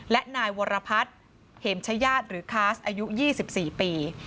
และนายวรพัฒน์เหมชญาติหรือคาสอายุ๒๔ปี